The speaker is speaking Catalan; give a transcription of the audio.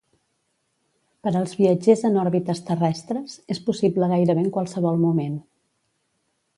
Per als viatges en òrbites terrestres, és possible gairebé en qualsevol moment.